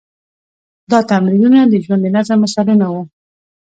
دا تمرینونه د ژوند د نظم مثالونه وو.